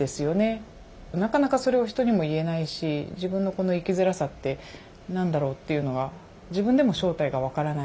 なかなかそれを人にも言えないし自分のこの生きづらさって何だろう？っていうのは自分でも正体が分からない。